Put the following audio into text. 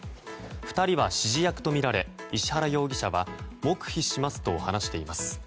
２人は指示役とみられ石原容疑者は黙秘しますと話しています。